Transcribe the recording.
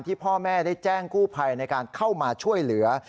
พ่อแม่ได้แจ้งกู้ภัยในการเข้ามาช่วยเหลือ